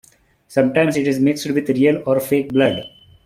Sometimes it is mixed with real or fake blood.